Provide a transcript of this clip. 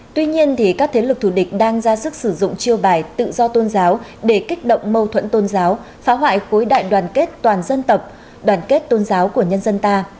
tuy nhiên các thế lực thủ địch đang ra sức sử dụng chiêu bài tự do tôn giáo để kích động mâu thuẫn tôn giáo phá hoại khối đại đoàn kết toàn dân tộc đoàn kết tôn giáo của nhân dân ta